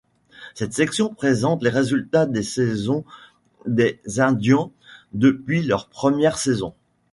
Cette section présente les résultats des saisons des Indians depuis leur première saison.